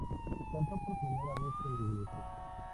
Cantó por primera vez en la iglesia.